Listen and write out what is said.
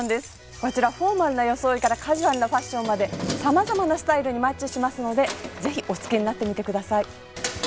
こちらフォーマルな装いからカジュアルなファッションまで様々なスタイルにマッチしますのでぜひお着けになってみてください